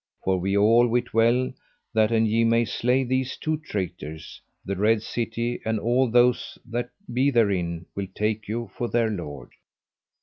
For we all wit well that an ye may slay these two traitors, the Red City and all those that be therein will take you for their lord.